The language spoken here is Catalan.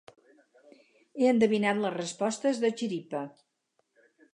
He endevinat les respostes de xiripa.